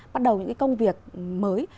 bắt đầu những cái công việc mới